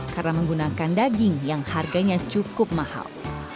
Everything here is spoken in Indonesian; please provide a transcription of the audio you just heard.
karena menggunakan daging yang harganya cukup mahal